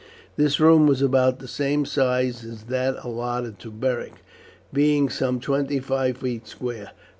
This room was about the same size as that allotted to Beric, being some twenty five feet square.